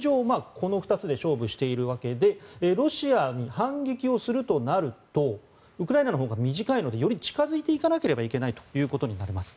この２つで勝負しているわけでロシアに反撃するとなるとウクライナのほうが短いのでより近付いていかなければいけないということになります。